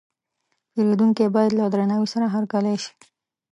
پیرودونکی باید له درناوي سره هرکلی شي.